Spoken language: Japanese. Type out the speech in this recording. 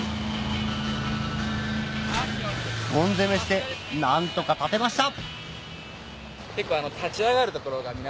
ゴン攻めして何とか立てました結構。